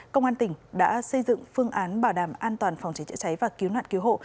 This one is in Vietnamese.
công an tỉnh đã xây dựng phương án bảo đảm an toàn phòng cháy chữa cháy và cứu nạn cứu hộ